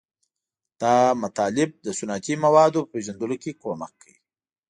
دا مطالب د صنعتي موادو په پیژندلو کې کومک کوي.